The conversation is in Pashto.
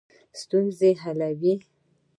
ستونزې حلوي.